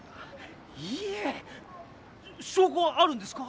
いいえしょうこはあるんですか？